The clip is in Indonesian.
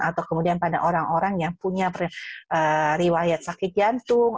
atau kemudian pada orang orang yang punya riwayat sakit jantung